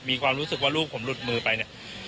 มีความรู้สึกว่าลูกผมหลุดมือไปเนี่ย